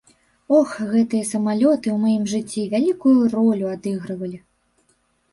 Ох, гэтыя самалёты ў маім жыцці вялікую ролю адыгрывалі.